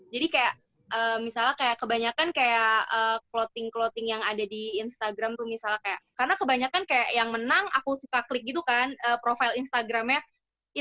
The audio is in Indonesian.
jadi kayak misalnya kebanyakan kayak clothing clothing yang ada di instagram tuh misalnya kayak karena kebanyakan kayak yang menang aku suka klik gitu kan profile instagramnya